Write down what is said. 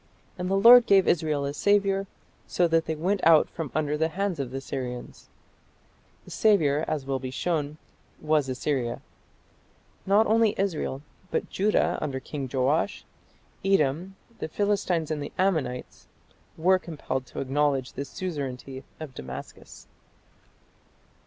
And the Lord gave Israel a saviour, so that they went out from under the hands of the Syrians." The "saviour", as will be shown, was Assyria. Not only Israel, but Judah, under King Joash, Edom, the Philistines and the Ammonites were compelled to acknowledge the suzerainty of Damascus.